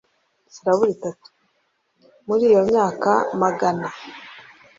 muri iyo myaka amagana